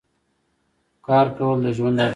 کار کول د ژوند اړتیا ده.